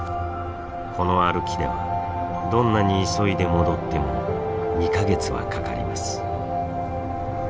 この歩きではどんなに急いで戻っても２か月はかかります。